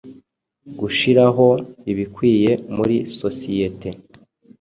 Gushiraho ibikwiye muri sociyete,